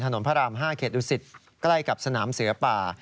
พระราม๕เขตดุสิตใกล้กับสนามเสือป่า